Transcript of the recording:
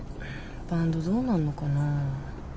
バンドどうなんのかな。